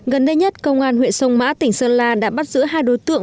gần đây nhất công an huyện sông mã tỉnh sơn la đã bắt giữ hai đối tượng